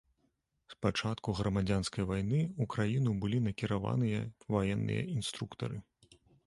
З пачаткам грамадзянскай вайны ў краіну былі накіраваныя ваенныя інструктары.